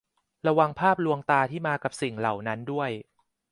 ระวังภาพลวงตาที่มากับสิ่งเหล่านั้นด้วย